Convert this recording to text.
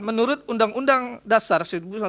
menurut undang undang dasar